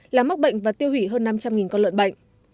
làm mắc bệnh và tiêu hủy hơn năm trăm linh con lợn bệnh